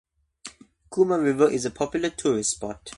Kuma River is a popular tourist spot.